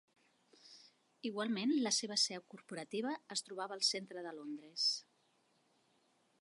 Igualment, la seva seu corporativa es trobava al centre de Londres.